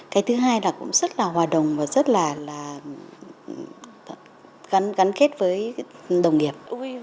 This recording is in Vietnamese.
cái thứ hai là cũng rất là hòa đồng và rất là gắn kết với đồng nghiệp